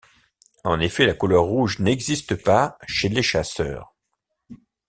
En effet, la couleur rouge n'existe pas chez les chasseurs.